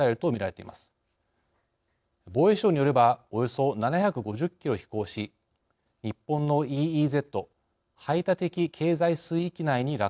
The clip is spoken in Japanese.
防衛省によればおよそ７５０キロ飛行し日本のＥＥＺ＝排他的経済水域内に落下しました。